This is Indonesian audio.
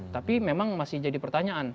tapi memang masih jadi pertanyaan